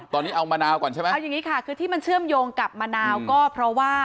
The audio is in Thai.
ตอนนี้เอามะนาวก่อนใช่ไหมเอาอย่างนี้ค่ะคือที่มันเชื่อมโยงกับมะนาวก็เพราะว่า